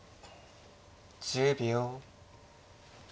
１０秒。